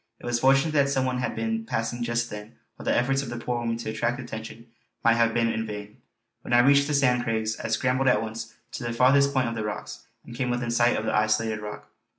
It was fortunate that some one had been passing just then, or the efforts of the poor women to attract attention might have been made in vain. When I reached the Sand Craigs I scrambled at once to the farthest point of the rocks, and came within sight of the isolated rock.